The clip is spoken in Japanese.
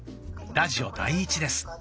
ラジオ第１です。